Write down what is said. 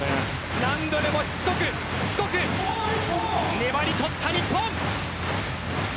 何度でもしつこく、しつこく粘り取った日本。